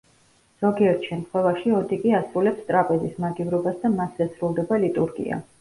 ზოგიერთ შემთხვევაში ოდიკი ასრულებს ტრაპეზის მაგივრობას და მასზე სრულდება ლიტურგია.